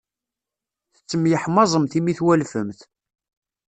Tettemyeḥmaẓemt imi twalfemt.